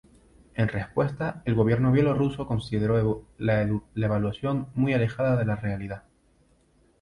En respuesta, el gobierno bielorruso consideró la evaluación "muy alejada de la realidad".